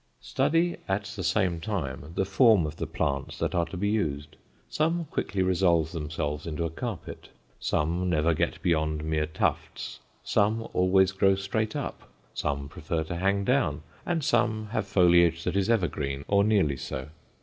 Study at the same time the form of the plants that are to be used; some quickly resolve themselves into a carpet, some never get beyond mere tufts, some always grow straight up, some prefer to hang down, and some have foliage that is evergreen or nearly so.